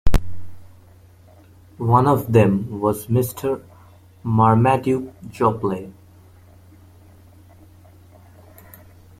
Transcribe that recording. One of them was Mr Marmaduke Jopley.